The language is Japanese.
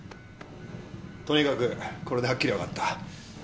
とにかくこれではっきりわかった。